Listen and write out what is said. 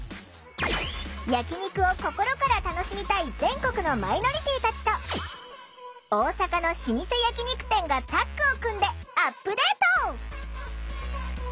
焼き肉を心から楽しみたい全国のマイノリティーたちと大阪の老舗焼き肉店がタッグを組んでアップデート！